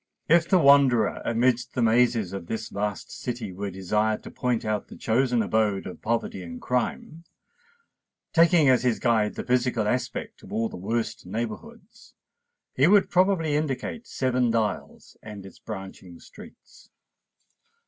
If the wanderer amidst the mazes of this vast city were desired to point out the chosen abode of poverty and crime, taking as his guide the physical aspect of all the worst neighbourhoods, he would probably indicate Seven Dials and its branching streets.